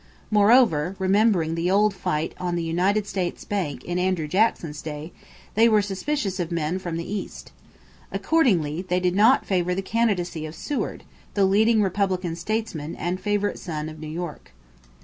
Moreover, remembering the old fight on the United States Bank in Andrew Jackson's day, they were suspicious of men from the East. Accordingly, they did not favor the candidacy of Seward, the leading Republican statesman and "favorite son" of New York.